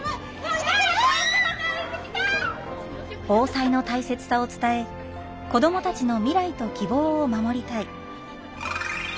防災の大切さを伝え子どもたちの未来と希望を守りたい。